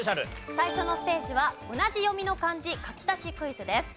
最初のステージは同じ読みの漢字書き足しクイズです。